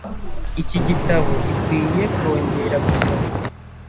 Iki gitabo gikwiye kongera gusoma.